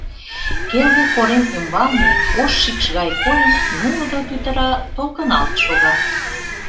Келге корем ӱмбалне, ош шикш гай койын, нугыдо тӱтыра толкыналт шога.